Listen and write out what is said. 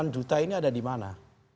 delapan juta ini ada di mana